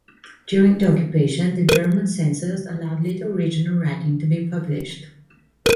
During the Occupation, the German censors allowed little original writing to be published.